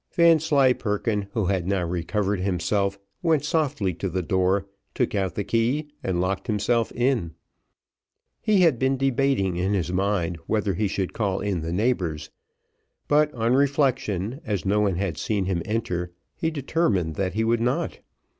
Vanslyperken, who had now recovered himself, went softly to the door, took out the key and locked himself in. He had been debating in his mind whether he should call in the neighbours; but, on reflection, as no one had seen him enter, he determined that he would not.